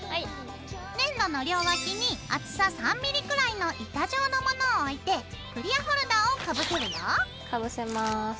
粘土の両脇に厚さ３ｍｍくらいの板状のものを置いてクリアホルダーをかぶせるよ。かぶせます。